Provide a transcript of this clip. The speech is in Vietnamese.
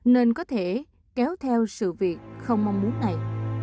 nên có thể kéo theo sự việc không mong muốn này